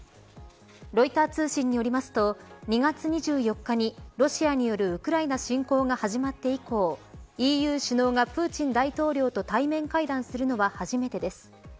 ロイター通信によりますと２月２４日に、ロシアによるウクライナ侵攻が始まって以降ＥＵ首脳がプーチン大統領と対面会談するのは初めてです。